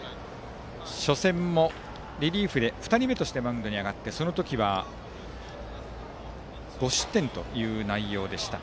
初戦もリリーフで２人目としてマウンドに上がって、その時は５失点という内容でした。